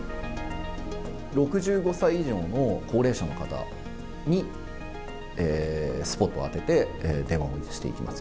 ６５歳以上の高齢者の方にスポットを当てて電話をしていきます。